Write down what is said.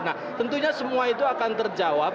nah tentunya semua itu akan terjawab